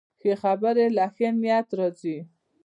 ښه خبرې له ښې نیت راځي